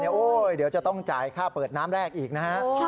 เดี๋ยวจะต้องจ่ายค่าเปิดน้ำแรกอีกนะฮะ